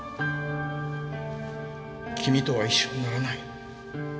君とは一緒にならない。